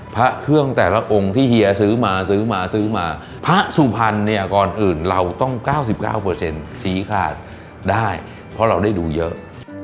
เพราะเราได้ดูเยอะ